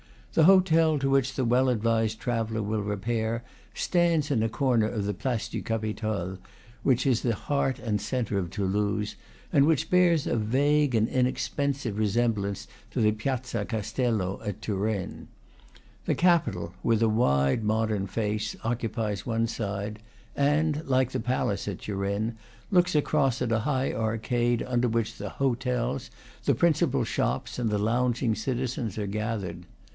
The hotel to which the well advised traveller will repair stands in a corner of the Place du Capitole, which is the heart and centre of Toulouse, and which bears a vague and inexpensive resemblance to Piazza Castello at Turin. The Capitol, with a wide modern face, occupies one side, and, like the palace at Turin, looks across at a high arcade, under which the hotels, the principal shops, and the lounging citizens are gathered.